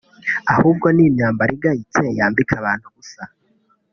ahubwo ni imyambaro igayitse yambika abantu ubusa